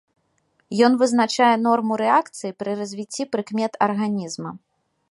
Ён вызначае норму рэакцыі пры развіцці прыкмет арганізма.